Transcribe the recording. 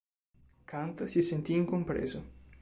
Kant si sentì incompreso.